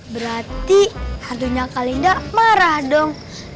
berarti hantunya kalinda marah dong